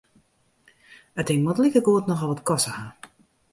It ding moat likegoed nochal wat koste ha.